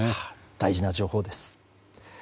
大事な情報です。